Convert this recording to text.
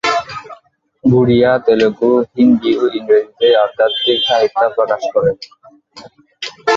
ওড়িয়া, তেলুগু, হিন্দি ও ইংরেজিতে আধ্যাত্মিক সাহিত্য প্রকাশ করে।